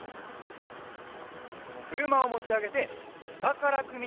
くるまをもちあげてしたからくみたてているんだね。